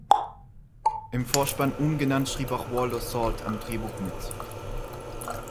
Im Vorspann ungenannt schrieb auch Waldo Salt am Drehbuch mit.